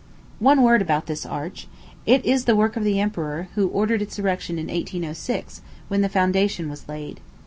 One word about this arch. It is the work of the emperor, who ordered its erection in 1806, when the foundation was laid.